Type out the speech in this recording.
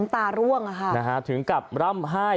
ถึงกับร่ำไห้